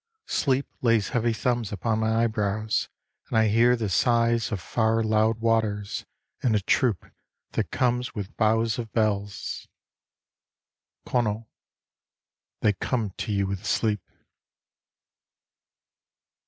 Sleep lays heavy thumbs Upon my eyebrows, and I hear the sighs Of far loud waters, and a troop that comes With boughs of bells " CONALL "\" They come to you with sleep."